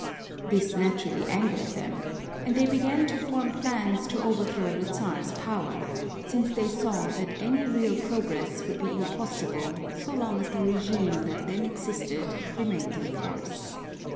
This naturally angered them, and they began to form plans to overthrow the Czar's power, since they saw that any real progress would be impossible so long as the regime that then existed remained in force.